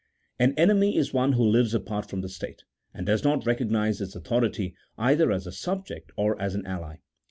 209 An enemy is one who lives apart froni the state, and does not recognize its authority either as a subject or as an ally.